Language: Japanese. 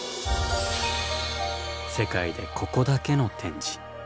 世界でここだけの展示。